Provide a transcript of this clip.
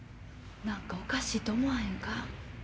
何かおかしいと思わへんか？